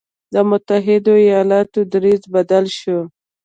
د متحدو ایالتونو دریځ بدل شو.